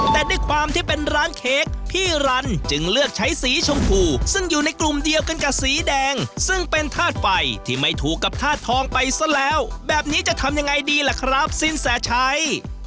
แต่ด้วยความที่เป็นร้านเค้กพี่รันจึงเลือกใช้สีชมพูซึ่งอยู่ในกลุ่มเดียวกันกับสีแดงซึ่งเป็นธาตุไฟที่ไม่ถูกกับธาตุทองไปซะแล้วแบบนี้จะทำยังไงดีล่ะครับสินแสชัย